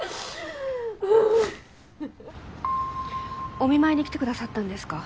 お見舞いに来てくださったんですか？